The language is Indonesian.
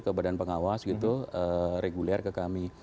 ke badan pengawas gitu reguler ke kami